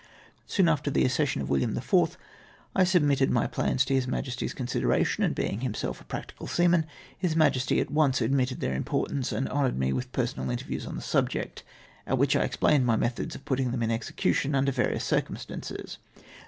Soon after the accessi()n of William IV. I submitted my plans to His Majesty's consideration, and being himself a jiractical seaman. His Majesty at once ad mitted their importance and honoured me with personal interviews on the subject, at which I explamed my methods of putting tliem in execution under various cu cumstances.